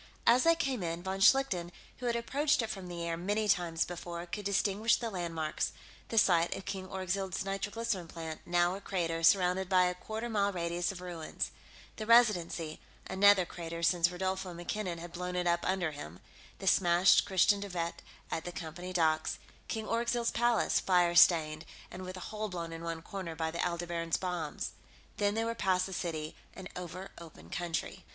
As they came in, von Schlichten, who had approached it from the air many times before, could distinguish the landmarks the site of King Orgzild's nitroglycerin plant, now a crater surrounded by a quarter mile radius of ruins; the Residency, another crater since Rodolfo MacKinnon had blown it up under him; the smashed Christiaan De Wett at the Company docks; King Orgzild's Palace, fire stained and with a hole blown in one corner by the Aldebaran's bombs.... Then they were past the city and over open country.